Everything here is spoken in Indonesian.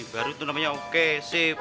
baru itu namanya oke safe